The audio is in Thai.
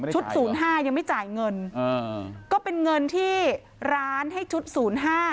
ศูนย์ห้ายังไม่จ่ายเงินอ่าก็เป็นเงินที่ร้านให้ชุดศูนย์ห้า